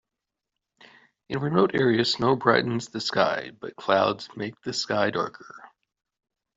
In remote areas snow brightens the sky, but clouds make the sky darker.